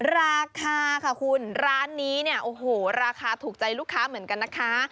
ราคาค่ะครับคุณร้านนี้นะราคาถูกใจลูกค้าเหมือนกันนะคะ